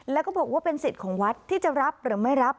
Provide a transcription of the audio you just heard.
แล้วก็บอกว่าเป็นสิทธิ์ของวัดที่จะรับหรือไม่รับ